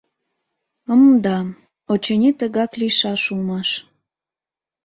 М-мда, очыни, тыгак лийшаш улмаш.